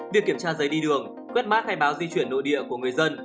việc kiểm tra giấy đi đường quét mã hay báo di chuyển nội địa của người dân